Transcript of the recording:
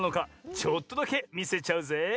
ちょっとだけみせちゃうぜい！